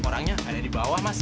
orangnya ada di bawah mas